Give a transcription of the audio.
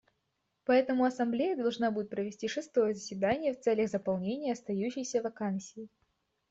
Поэтому Ассамблея должна будет провести шестое заседание в целях заполнения остающейся вакансии.